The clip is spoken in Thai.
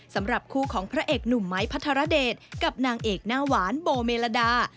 สำหรับคู่ของพระเอกหนุ่มไม้พัทรเดชกับนางเอกหน้าหวานโบเมลดา